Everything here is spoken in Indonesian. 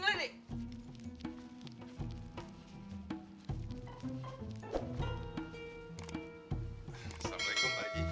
assalamualaikum pak aji